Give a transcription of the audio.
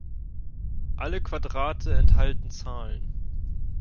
Alle Quadrate enthalten Zahlen.